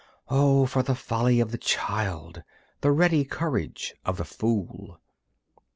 O for the folly of the child! The ready courage of the fool!